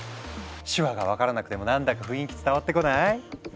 手話がわからなくてもなんだか雰囲気伝わってこない？